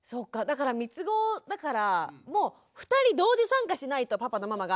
だからみつごだからもう２人同時参加しないとパパとママが。